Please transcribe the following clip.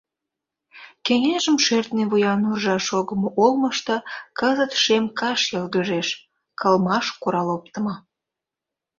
Кеҥежым шӧртньӧ вуян уржа шогымо олмышто кызыт шем каш йылгыжеш — кылмаш курал оптымо.